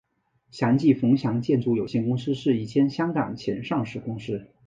祥记冯祥建筑有限公司是一间香港前上市公司。